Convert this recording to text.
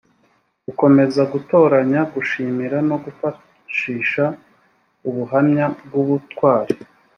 gukomeza gutoranya gushimira no kwifashisha ubuhamya bw ubutwari